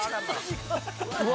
◆うわ